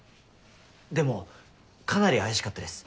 でもかなり怪しかったです。